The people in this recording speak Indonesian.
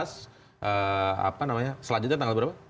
selanjutnya tanggal berapa